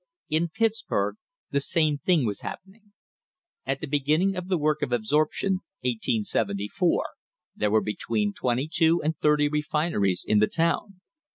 In Pittsburg the same thing was happening. At the begin ning of the work of absorption — 1874 — there were between twenty two and thirty refineries in the town.